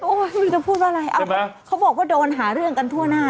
ไม่รู้จะพูดว่าอะไรเขาบอกว่าโดนหาเรื่องกันทั่วหน้า